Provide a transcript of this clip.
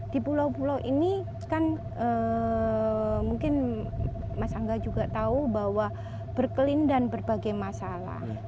di pulau pulau ini kan mungkin mas angga juga tahu bahwa berkelindan berbagai masalah